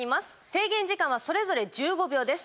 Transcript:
制限時間はそれぞれ１５秒です。